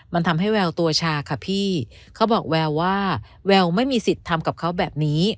มันทำให้แววตัวชาค่ะพี่เขาบอกแววว่าแววไม่มีสิทธิ์ทำกับเขาแบบนี้